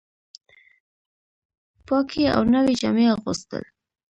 پاکې او نوې جامې اغوستل